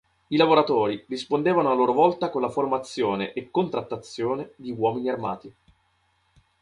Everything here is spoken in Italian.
I lavoratori rispondevano a loro volta con la formazione e contrattazione di uomini armati.